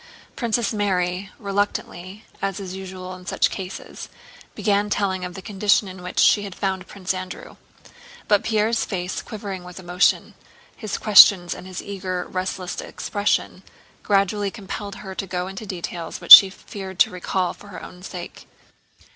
Princess Mary—reluctantly as is usual in such cases—began telling of the condition in which she had found Prince Andrew. But Pierre's face quivering with emotion, his questions and his eager restless expression, gradually compelled her to go into details which she feared to recall for her own sake.